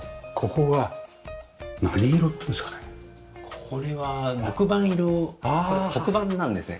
これは黒板色黒板なんですね。